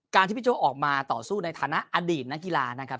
ที่พี่โจ๊ออกมาต่อสู้ในฐานะอดีตนักกีฬานะครับ